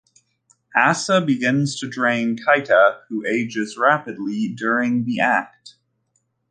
Asa begins to drain Katia, who ages rapidly during the act.